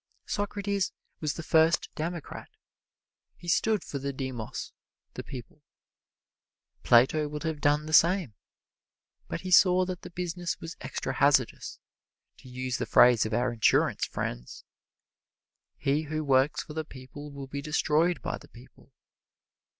Socrates was the first Democrat: he stood for the demos the people. Plato would have done the same, but he saw that the business was extra hazardous, to use the phrase of our insurance friends. He who works for the people will be destroyed by the people.